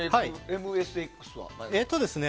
ＭＳＸは。